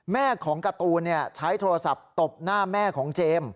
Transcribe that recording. แม่ของการ์ตูนใช้โทรศัพท์ตบหน้าแม่ของเจมส์